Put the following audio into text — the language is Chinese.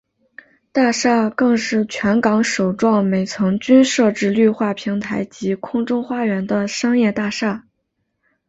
大厦更是全港首幢每层均设置绿化平台及空中花园的商业大厦。